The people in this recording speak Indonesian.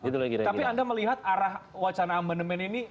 tapi anda melihat arah wacana amandemen ini